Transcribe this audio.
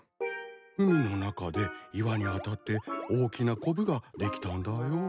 海の中で岩に当たって大きなコブができたんだよ。